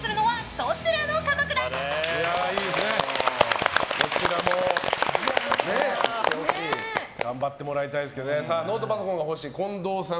どちらも頑張ってもらいたいですけどノートパソコンが欲しい近藤さん